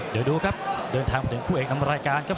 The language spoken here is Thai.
เดี๋ยวดูครับเดินทางมาถึงคู่เอกนำรายการครับ